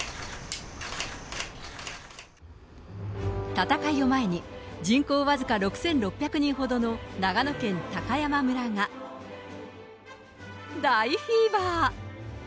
戦いを前に、人口僅か６６００人ほどの長野県高山村が、大フィーバー！